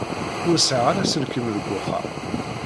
Ur sɛiɣ ara aselkim deg uxxam.